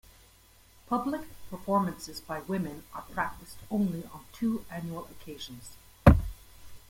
Public performances by women were practiced only on two annual occasions.